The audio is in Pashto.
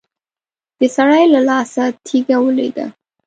د سړي له لاسه تېږه ولوېده.